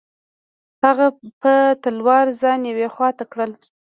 هغه په تلوار ځان یوې خوا ته کړ.